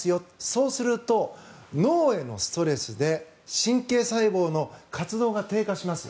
そうすると、脳へのストレスで神経細胞の活動が低下します。